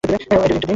আইডির লিংকটা দেন।